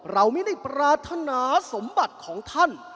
เราไม่ได้ปรารถนาสมบัติของท่าน